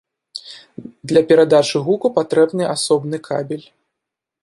Для перадачы гуку патрэбны асобны кабель.